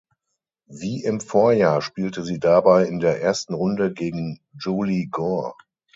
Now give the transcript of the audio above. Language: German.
Wie im Vorjahr spielte sie dabei in der ersten Runde gegen Julie Gore.